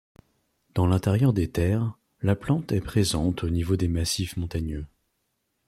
Dans l'intérieur des terres, la plante est présente au niveau des massifs montagneux.